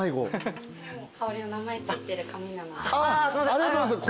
ありがとうございます。